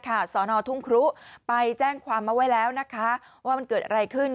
นี่แหละสศนธุ์ถุงครู้ไปแจ้งความมาไว้แล้วว่ามันเกิดอะไรขึ้น